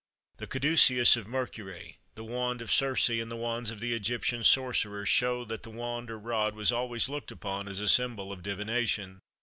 The caduceus of Mercury, the wand of Circe, and the wands of the Egyptian sorcerers, show that the wand or rod was always looked upon as a symbol of divination.